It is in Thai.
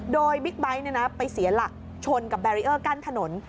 โดยบิ๊กไบท์ไปเสียหลักชนกับแบรีเออร์กั้นถนน